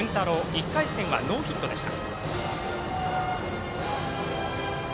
１回戦はノーヒットでした。